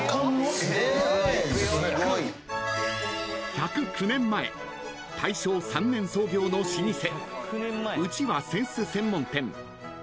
［１０９年前大正３年創業の老舗］